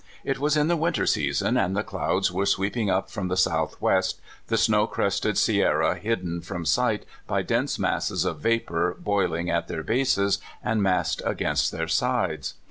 It was in the winter season, and the clouds were sweeping up from the southwest, the snow crested Sierras hidden from sight by dense masses of vapor boiling at their bases and massed against their sides.